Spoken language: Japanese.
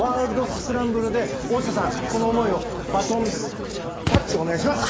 スクランブルで大下さん、この思いをバトンタッチお願いします！